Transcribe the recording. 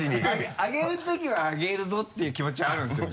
あげるときはあげるぞっていう気持ちはあるんですよね？